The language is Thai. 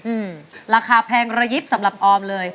อืมราคาแพงระยิบสำหรับออมเลย